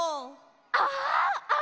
ああ！